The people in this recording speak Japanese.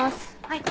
はい。